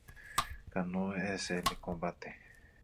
Ganó esl combate.